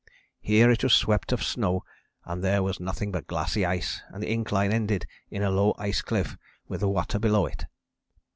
Here it was swept of snow and there was nothing but glassy ice and the incline ended in a low ice cliff with the water below it.